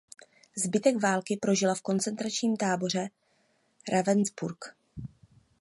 Zbytek války prožila v koncentračním táboře Ravensbrück.